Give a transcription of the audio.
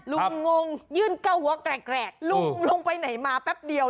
งงยื่นเก้าหัวแกรกลุงลงไปไหนมาแป๊บเดียว